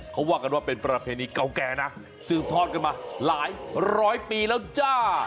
เขาว่ากันว่าเป็นประเพณีเก่าแก่นะสืบทอดกันมาหลายร้อยปีแล้วจ้า